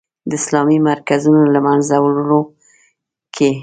د اسلامي مرکزونو له منځه وړلو کې.